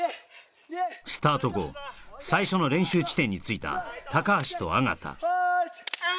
スタート後最初の練習地点に着いたと縣１！